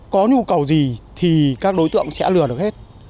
có nhu cầu gì thì các đối tượng sẽ lừa được hết